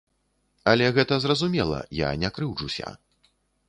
Але гэта зразумела, я не крыўджуся.